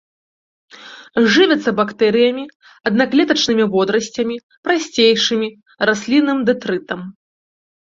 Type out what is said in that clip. Жывяцца бактэрыямі, аднаклетачнымі водарасцямі, прасцейшымі, раслінным дэтрытам.